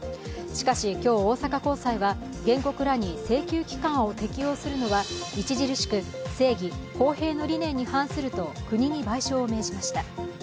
しかし、今日大阪高裁は、原告らに請求期間を適用するのは著しく、正義、公平の理念に反すると国に賠償を命じました。